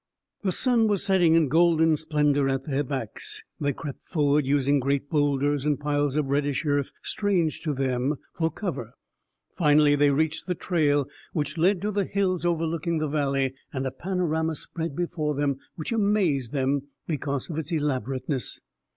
The sun was setting in golden splendor at their backs; they crept forward, using great boulders and piles of reddish earth, strange to them, for cover. Finally they reached the trail which led to the hills overlooking the valley, and a panorama spread before them which amazed them because of its elaborateness.